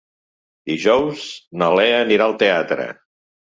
Dijous na Lea anirà al teatre.